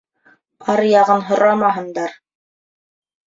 Аръяғын һорамаһындар.